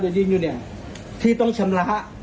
แบบนี้ไงเอาบัตรชนมา